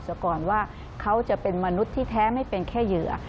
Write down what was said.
ก่อนว่าเขาจะเป็นมนุษย์ที่แท้ไม่เป็นแค่เหยื่อ